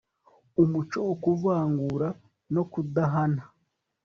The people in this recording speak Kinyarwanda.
umuco wo kuvangura no kudahana